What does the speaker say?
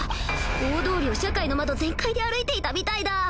大通りを社会の窓全開で歩いていたみたいだ